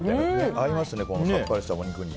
合いますねさっぱりしたお肉に。